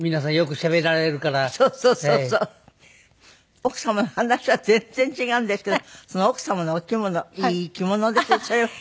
奥様話は全然違うんですけどその奥様のお着物いい着物ですね。